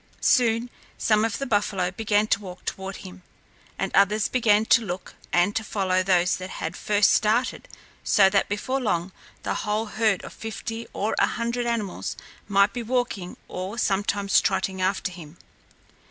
Soon, some of the buffalo began to walk toward him, and others began to look and to follow those that had first started, so that before long the whole herd of fifty or a hundred animals might be walking or sometimes trotting after him.